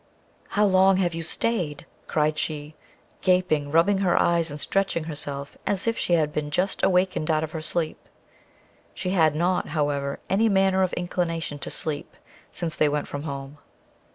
"How long you have stayed," cried she, gaping, rubbing her eyes, and stretching herself as if she had been just awaked out of her sleep; she had not, however, any manner of inclination to sleep since they went from home.